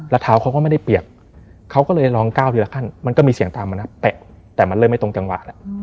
แล้วเท้าเขาก็ไม่ได้เปียกเขาก็เลยร้องก้าวทีละขั้นมันก็มีเสียงตามมานะเตะแต่มันเริ่มไม่ตรงจังหวะแล้ว